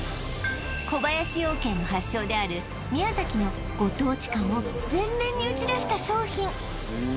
小林養鶏の発祥である宮崎のご当地感を前面に打ち出した商品